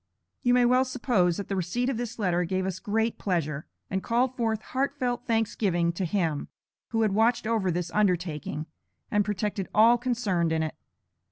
You may well suppose that the receipt of this letter gave us great pleasure, and called forth heartfelt thanksgiving to Him, who had watched over this undertaking, and protected all concerned in it.